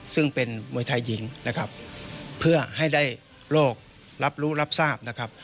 ซึ่งเป็นมวยไทยหญิงนะครับเพื่อให้ได้โลกรับรู้รับทราบนะครับ